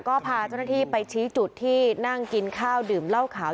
ก็พาเจ้าหน้าที่ไปชี้จุดที่นั่งกินข้าวดื่มเหล้าขาว